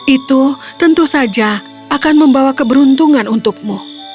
itu tentu saja akan membawa keberuntungan untukmu